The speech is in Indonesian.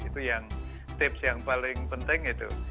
itu yang tips yang paling penting itu